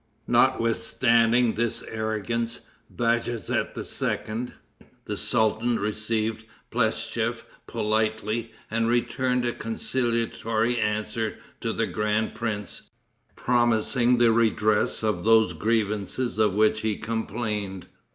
Notwithstanding this arrogance, Bajazet II., the sultan, received Plestchief politely, and returned a conciliatory answer to the grand prince, promising the redress of those grievances of which he complained.